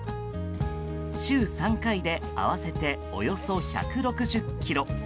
週３回で合わせておよそ１６０ｋｇ。